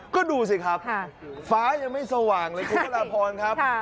ก็ดูสิครับฟ้ายังไม่สว่างเลยคุณพระราพรครับ